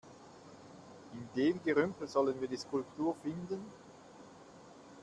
In dem Gerümpel sollen wir die Skulptur finden?